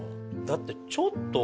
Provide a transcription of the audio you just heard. だってちょっと。